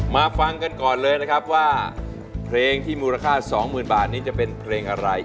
มาฟังกันก่อนเลยนะครับว่าเพลงที่มูลค่า๒๐๐๐บาทนี้จะเป็นเพลงอะไร